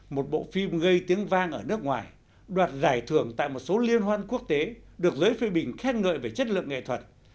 một bộ phim gây tiếng vang ở nước ngoài đoạt giải thưởng tại một số liên hoan quốc tế được giới phê bình khen ngợi về chất lượng nghệ thuật